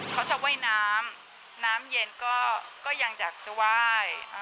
เขาจะว่ายน้ำน้ำเย็นก็ยังอยากจะไหว้